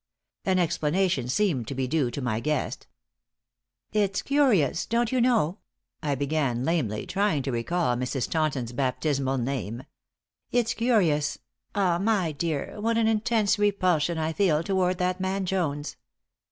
An explanation seemed to be due to my guest. "It's curious, don't you know," I began, lamely, trying to recall Mrs. Taunton's baptismal name, "it's curious ah my dear, what an intense repulsion I feel toward that man Jones.